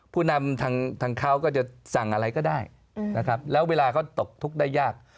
ผู้นำทางเขาก็จะสั่งอะไรก็ได้นะครับแล้วเวลาเขาตกทุกข์ได้ยาก